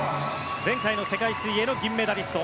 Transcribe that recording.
前回の世界水泳の銀メダリスト。